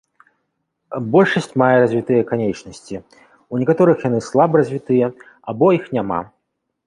Большасць мае развітыя канечнасці, у некаторых яны слаба развітыя або іх няма.